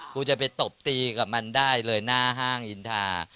กูจะไปตบตีกับมันได้เลยหน้าห้างอินทา